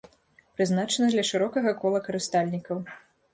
Прызначаны для шырокага кола карыстальнікаў.